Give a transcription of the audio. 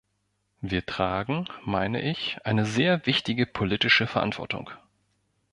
Wir tragen, meine ich, eine sehr wichtige politische Verantwortung.